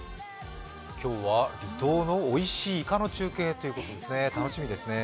今日は離島のおいしいイカの中継ということで、楽しみですね。